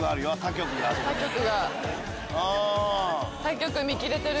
他局見切れてる。